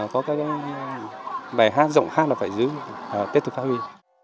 có các bài hát giọng hát là phải giữ tiếp tục phát huy